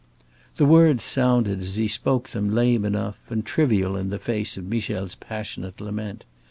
The words sounded, as he spoke them, lame enough and trivial in the face of Michel's passionate lament.